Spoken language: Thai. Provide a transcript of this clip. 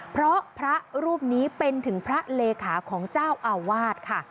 เพราะพระรูปนี้เป็นถึงพระเลขาของเจ้าอาวาสค่ะ